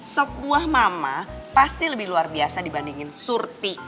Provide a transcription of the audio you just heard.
sup buah mama pasti lebih luar biasa dibandingin surty